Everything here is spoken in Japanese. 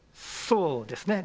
そうですね